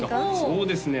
そうですね